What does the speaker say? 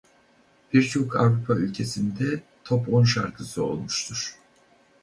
Birçok Avrupa ülkesinde top on şarkısı olmuştur.